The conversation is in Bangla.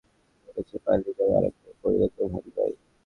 শিকারির বিষটোপে দুটি প্রাণে মরেছে, পালিয়ে যাওয়া আরেকটির পরিণতিও ভালো নয়।